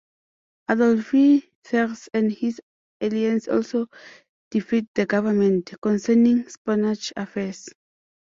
Adolphe Thiers and his allies also defied the government, concerning Spanish affairs.